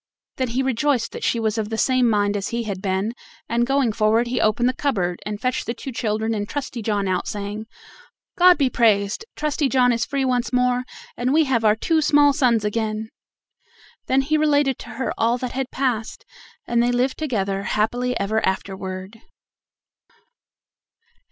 Then he rejoiced that she was of the same mind as he had been, and going forward he opened the cupboard, and fetched the two children and Trusty John out, saying: "God be praised! Trusty John is free once more, and we have our two small sons again." Then he related to her all that had passed, and they lived together happily ever afterward.